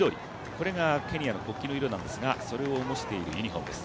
これがケニアの国旗の色なんですが、それをもしているユニフォームです。